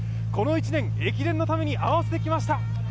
この１年、駅伝のために合わせてきました。